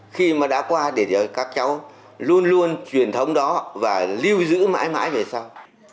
khi mà đã qua thì các cháu luôn luôn truyền thống đó và lưu giữ mãi mãi về sau